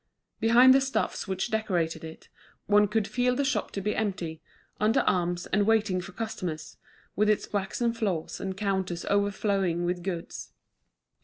Behind the stuffs which decorated it, one could feel the shop to be empty, under arms and waiting for customers, with its waxed floors and counters overflowing with goods.